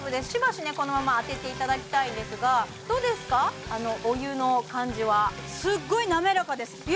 しばしねこのまま当てていただきたいんですがどうですかお湯の感じはすっごい滑らかです